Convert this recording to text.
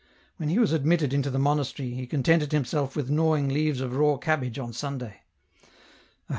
When he was admitted into the monastery, he contented himself with gnawing leaves of raw cabbage on Sunday.